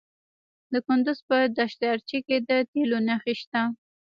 د کندز په دشت ارچي کې د تیلو نښې شته.